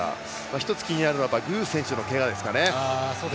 １つ気になるのは具選手のけがですかね。